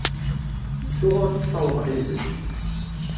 Ttuɣ ur s-ssawḍeɣ izen.